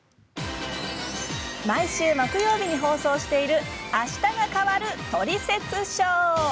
毎週木曜日に放送している「あしたが変わるトリセツショー」。